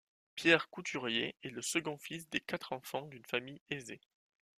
Pierre Couturier est le second fils des quatre enfants d'une famille aisée.